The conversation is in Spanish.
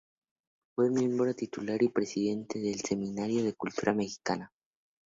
Fue miembro titular y presidente del Seminario de Cultura Mexicana.